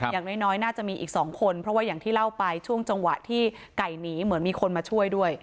อย่างน้อยน่าจะมีอีก๒คนเพราะว่าอย่างที่เล่าไปช่วงจังหวะที่ไก่หนีเหมือนมีคนมาช่วยด้วย